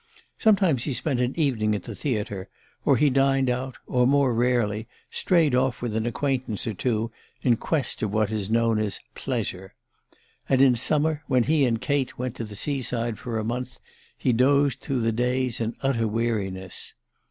Sometimes he spent an evening at the theatre; or he dined out, or, more rarely, strayed off with an acquaintance or two in quest of what is known as "pleasure." And in summer, when he and Kate went to the sea side for a month, he dozed through the days in utter weariness.